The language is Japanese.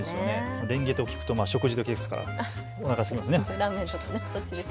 レンゲと聞くと食事時ですからおなかすきますね。